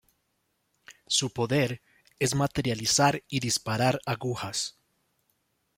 Su poder es materializar y disparar agujas.